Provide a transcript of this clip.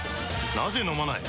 なぜ飲まない？